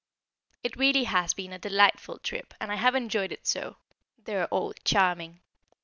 It really has been a delightful trip, and I have enjoyed it so. They are all charming.